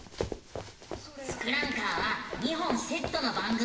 「ツクランカー」は２本セットの番組。